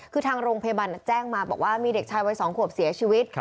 คือทางโรงพยาบาลแจ้งมาบอกว่ามีเด็กชายวัย๒ขวบเสียชีวิต